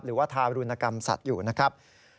ทารุณกรรมสัตว์อยู่นะครับ